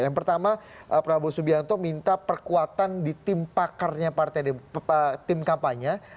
yang pertama prabowo subianto minta perkuatan di tim pakarnya tim kampanye